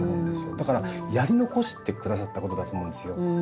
だからやり残してくださったことだと思うんですよ。